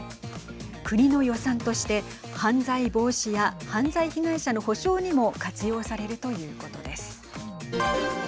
国の予算として犯罪防止や犯罪被害者の補償にも活用されるということです。